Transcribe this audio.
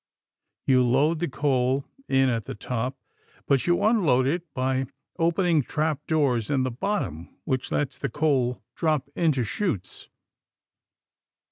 You load the coal in at the top, but you unload it by opening trapdoors in the bottom which let the coal drop into chutes.